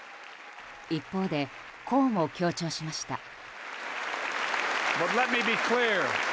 一方で、こうも強調しました。